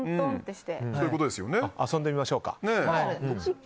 遊んでみましょうか。